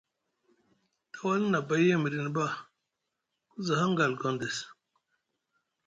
Tawalni nʼabay a midini ɓa ku za hangal Gondes.